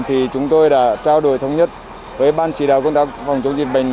thì chúng tôi đã trao đổi thống nhất với ban chỉ đạo công tác phòng chống dịch bệnh